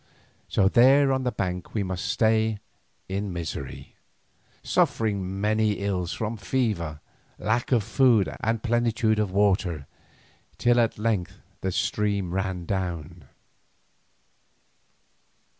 So there on the bank we must stay in misery, suffering many ills from fever, lack of food, and plenitude of water, till at length the stream ran down.